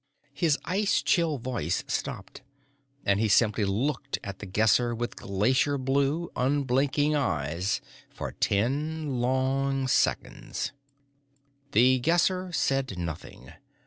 His ice chill voice stopped, and he simply looked at The Guesser with glacier blue, unblinking eyes for ten long seconds. The Guesser said nothing.